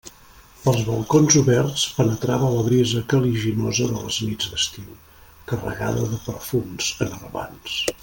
Pels balcons oberts penetrava la brisa caliginosa de les nits d'estiu, carregada de perfums enervants.